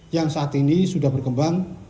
yang saat ini sudah berkembang